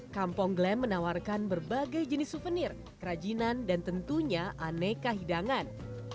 kampung glam menawarkan berbagai jenis suvenir kerajinan dan tentunya aneka hidangan